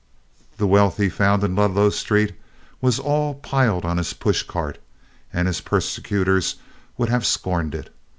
The wealth he found in Ludlow Street was all piled on his push cart, and his persecutors would have scorned it.